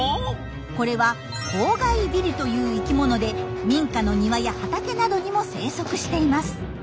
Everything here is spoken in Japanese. これは「コウガイビル」という生きもので民家の庭や畑などにも生息しています。